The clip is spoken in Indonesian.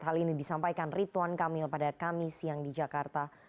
hal ini disampaikan rituan kamil pada kamis siang di jakarta